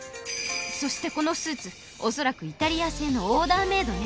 そしてこのスーツ恐らくイタリア製のオーダーメードね。